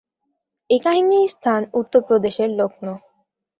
এই কাহিনীর স্থান উত্তরপ্রদেশের লক্ষ্ণৌ।